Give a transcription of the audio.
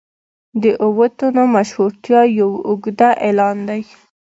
د اوو تنو مشهورتیا یو اوږده اعلان دی.